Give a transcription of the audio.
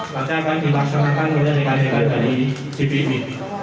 nanti akan dilaksanakan oleh rekan rekan dari dpd